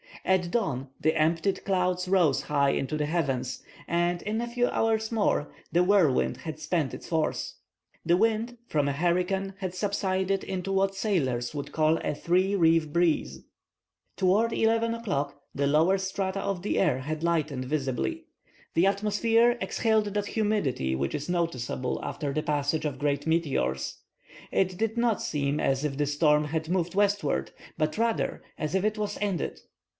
At dawn, the emptied clouds rose high into the heavens; and, in a few hours more, the whirlwind had spent its force. The wind, from a hurricane, had subsided into what sailors would call a "three reef breeze." Toward eleven o'clock, the lower strata of the air had lightened visibly. The atmosphere exhaled that humidity which is noticeable after the passage of great meteors. It did not seem as if the storm had moved westward, but rather as if it was ended.